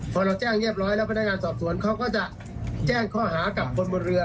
พอเราแจ้งเรียบร้อยแล้วพนักงานสอบสวนเขาก็จะแจ้งข้อหากับคนบนเรือ